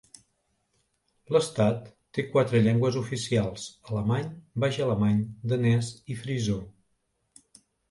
L'estat té quatre llengües oficials: alemany, baix alemany, danès i frisó.